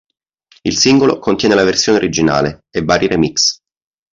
Il singolo contiene la versione originale e vari remix.